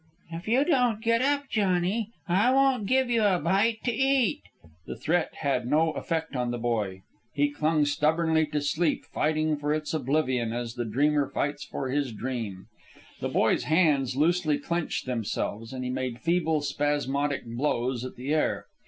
"If you don't git up, Johnny, I won't give you a bite to eat!" The threat had no effect on the boy. He clung stubbornly to sleep, fighting for its oblivion as the dreamer fights for his dream. The boy's hands loosely clenched themselves, and he made feeble, spasmodic blows at the air.